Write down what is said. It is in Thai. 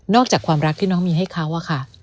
นอกจากความรักที่น้องมีให้เขา